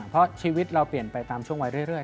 เพราะชีวิตเราเปลี่ยนไปตามช่วงวัยเรื่อย